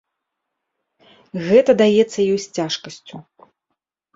Гэта даецца ёй з цяжкасцю.